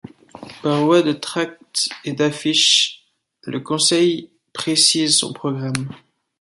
Par voie de tracts et d'affiches, le Conseil précise son programme.